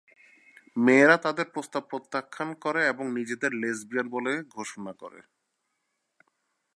মেয়েরা তাদের প্রস্তাব প্রত্যাখ্যান করে এবং নিজেদের লেসবিয়ান বলে ঘোষণা করে।